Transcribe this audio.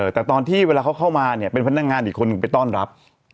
แต่ตอนที่เวลาเขาเข้ามาเนี่ยเป็นพนักงานอีกคนหนึ่งไปต้อนรับ